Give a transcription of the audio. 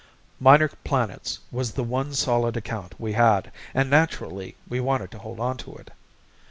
Minor Planets was the one solid account we had and naturally we wanted to hold on to it.